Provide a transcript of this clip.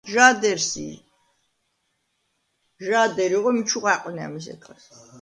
იგი ბუნებრივად აღმოცენდა დიფერენციალური განტოლებების შესწავლიდან.